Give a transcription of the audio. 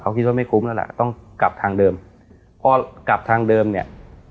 เขาคิดว่าไม่คุ้มแล้วล่ะต้องกลับทางเดิมพอกลับทางเดิมเนี่ย